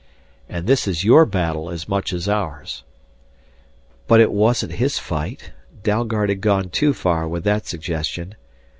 "And this is your battle as much as ours!" But it wasn't his fight! Dalgard had gone too far with that suggestion.